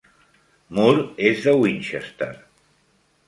Moore és de Winchester.